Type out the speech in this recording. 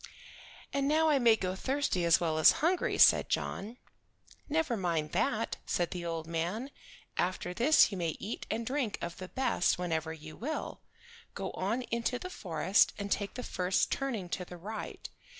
"And now I may go thirsty as well as hungry," said John. "Never mind that," said the old man. "After this you may eat and drink of the best whenever you will. Go on into the forest and take the first turning to the right.